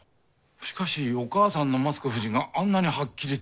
しかしお母さんの松子夫人があんなにはっきりと。